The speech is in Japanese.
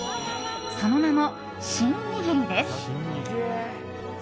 その名も、シン握りです。